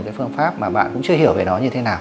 cái phương pháp mà bạn cũng chưa hiểu về nó như thế nào